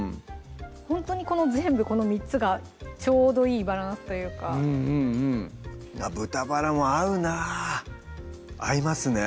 ほんとにこの全部この３つがちょうどいいバランスというか豚バラも合うな合いますね